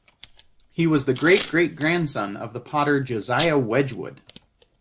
He was the great-great-grandson of the potter Josiah Wedgwood.